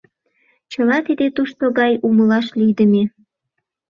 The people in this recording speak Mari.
Чыла тиде тушто гай, умылаш лийдыме.